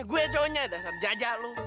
gue cowoknya dasar jajak lu